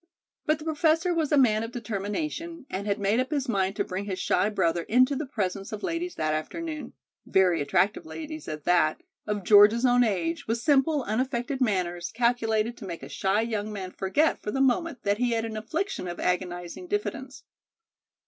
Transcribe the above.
But the Professor was a man of determination, and had made up his mind to bring his shy brother into the presence of ladies that afternoon, very attractive ladies at that, of George's own age, with simple, unaffected manners, calculated to make a shy young man forget for the moment that he had an affliction of agonizing diffidence.